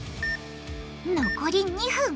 残り２分。